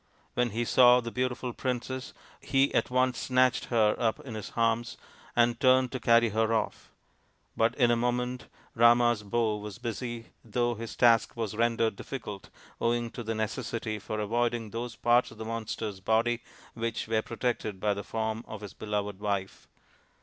When he saw the beautiful princess he at once snatched her up in his arms and turned to carry her off. But in a moment Rama's bow was busy though his task was rendered difficult owing to the necessity for avoiding those parts of the monster's body which 22 THE INDIAN STORY BOOK were protected by the form of his beloved wife.